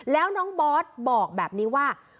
แล้วน้องบอสบอกแบบนี้ว่า